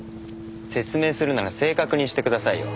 説明するなら正確にしてくださいよ。